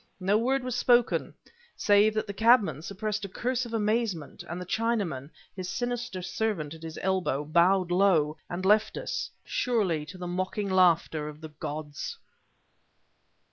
No word was spoken, save that the cabman suppressed a curse of amazement; and the Chinaman, his sinister servant at his elbow, bowed low and left us, surely to the mocking laughter of the gods!